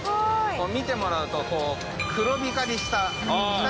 見てもらうと黒光りした。